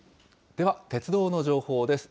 では鉄道の情報です。